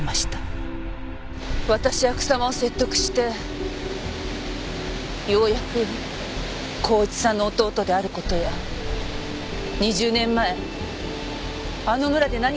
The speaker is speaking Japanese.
私は草間を説得してようやく孝一さんの弟である事や２０年前あの村で何が起こったかを聞き出したんです。